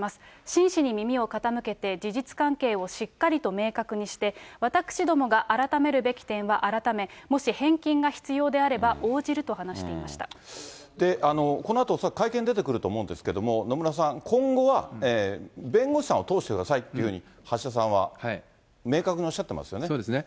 真摯に耳を傾けて、事実関係をしっかりと明確にして、私どもが改めるべき点は改め、もし返金が必要であれば、応じるとこのあと、会見出てくると思うんですけれども、野村さん、今後は弁護士さんを通してくださいというふうに橋田さんは明確にそうですね。